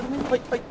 はい。